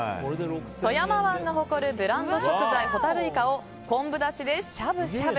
富山湾が誇るブランド食材ホタルイカを昆布だしでしゃぶしゃぶ。